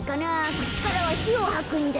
くちからはひをはくんだ。